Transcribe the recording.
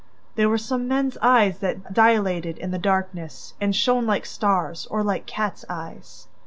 There were some men's eyes that dilated in the darkness and shone like stars or like cats' eyes.